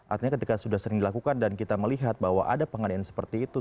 artinya ketika sudah sering dilakukan dan kita melihat bahwa ada pengadaan seperti itu